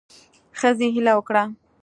ښځې هیله وکړه